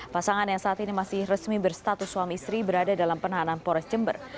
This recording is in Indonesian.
pasangan yang saat ini masih resmi berstatus suami istri berada dalam penahanan pores jember